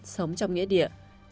tám sống trong nghĩa địa